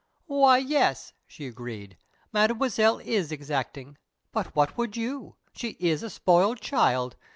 "Why, yes," she agreed. "Mademoiselle is exacting. But what would you? She is a spoiled child.